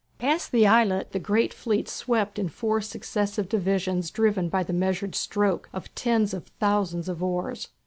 Past the islet the great fleet swept in four successive divisions driven by the measured stroke of tens of thousands of oars.